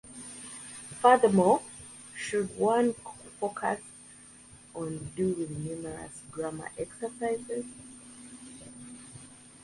Furthermore, should one focus on doing numerous grammar exercises?